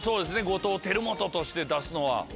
後藤輝基として出すのは。